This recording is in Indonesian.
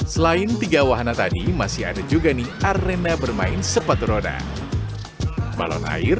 selain tiga wahana tadi masih ada juga nih arena bermain sepatu roda balon air